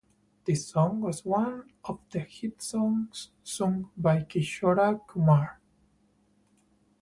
This song was one of the hit songs sung by Kishore Kumar.